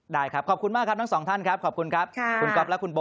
ได้ครับขอบคุณมากครับทั้งสองท่านครับขอบคุณครับคุณก๊อฟและคุณโบ